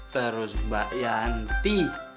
terus mbak yanti